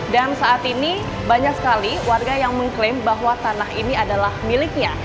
dan saat ini banyak sekali warga yang mengklaim bahwa tanah ini adalah miliknya